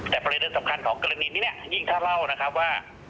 แต่ประเด็นสำคัญของกรณีนี้เนี่ยยิ่งถ้าเล่านะครับว่า